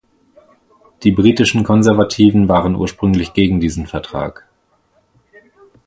Die britischen Konservativen waren ursprünglich gegen diesen Vertrag.